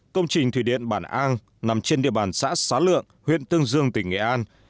công trình thủy điện bản an nằm trên địa bàn xã xá lượng huyện tương dương tỉnh nghệ an